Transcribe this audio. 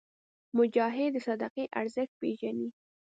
مجاهد د صدقې ارزښت پېژني.